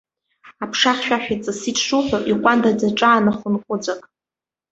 Аԥша хьшәашәа ҵысит шуҳәо, иҟәандаӡа аҿаанахон ҟәыҵәак.